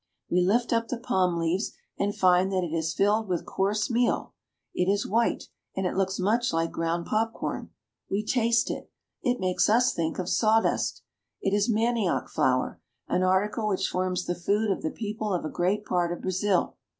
We lift up 3IO BRAZIL. the palm leaves and find that it is filled with coarse meal ; it is white, and it looks much like ground popcorn. We taste it. It makes us think of sawdust. It is manioc flour, an article which forms the food of the people of a great part of Brazil.